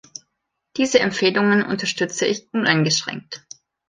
Diese Empfehlungen unterstütze ich uneingeschränkt.